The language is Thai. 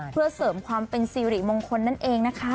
เพื่อเสริมความเป็นสิริมงคลนั่นเองนะคะ